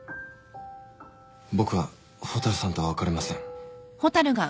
僕は蛍さんとは別れません。